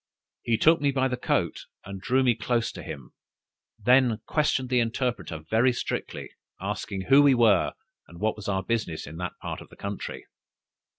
He took me by the coat, and drew me close to him; then questioned the interpreter very strictly, asking who we were, and what was our business in that part of the country.